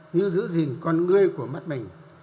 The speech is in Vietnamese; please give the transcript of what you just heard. như giữ gìn con người của mắt mình